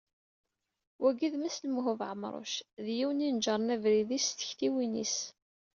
Wagi d Mass Lmuhub Ɛemruc, d yiwen i ineǧren abrid-is s tektiwin-is.